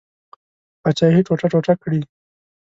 پاچهي ټوټه ټوټه کړي.